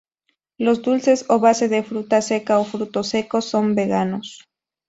Los dulces a base de fruta seca o frutos secos son veganos.